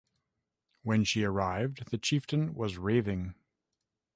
When she arrived, the chieftain was raving.